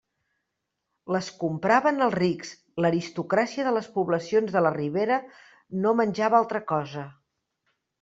Les compraven els rics; l'aristocràcia de les poblacions de la Ribera no menjava altra cosa.